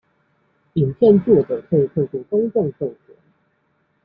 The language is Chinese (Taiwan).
影片作者可以透過公眾授權